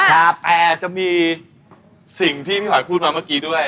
แต่จะมีสิ่งที่พี่หอยพูดมาเมื่อกี้ด้วย